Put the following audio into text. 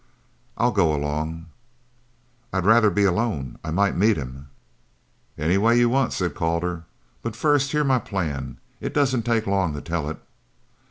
"I'll go along." "I'd rather be alone. I might meet him." "Any way you want," said Calder, "but first hear my plan it doesn't take long to tell it."